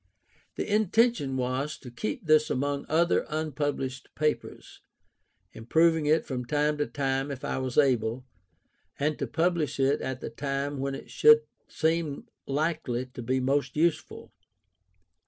The intention was to keep this among other unpublished papers, improving it from time to time if I was able, and to publish it at the time when it should seem likely to be most useful.